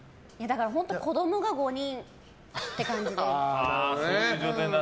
本当、子供が５人って感じで。